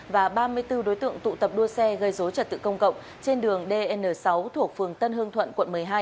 và ba mươi bốn đối tượng tụ tập đua xe gây dối trật tự công cộng trên đường dn sáu thuộc phường tân hương thuận quận một mươi hai